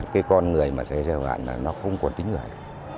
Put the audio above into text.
cái con người mà sẽ gặp lại là nó không còn tính người